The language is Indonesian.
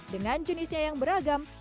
dengan jenisnya yang beragam